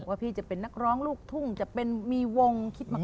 ว่าพี่จะเป็นนักร้องลูกทุ่งจะเป็นมีวงคิดมาก